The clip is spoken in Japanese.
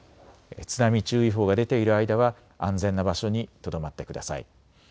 津波注意報が出ている間は安全な場所にとどまってください。